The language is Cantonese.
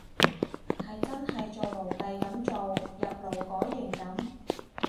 係真係做奴隸噉做，入勞改營噉